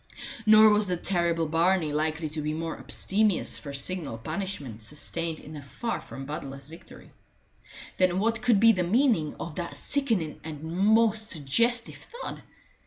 Nor was the terrible Barney likely to be more abstemious for signal punishment sustained in a far from bloodless victory. Then what could be the meaning of that sickening and most suggestive thud?